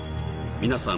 皆さん